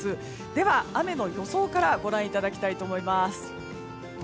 では、雨の予想からご覧いただきたいと思います。